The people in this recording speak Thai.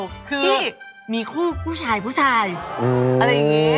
คือมีคู่ผู้ชายอะไรอย่างนี้